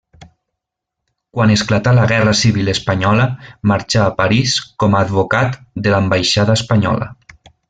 Quan esclatà la guerra civil espanyola marxà a París com a advocat de l'ambaixada espanyola.